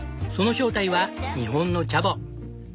その正体は日本のチャボ。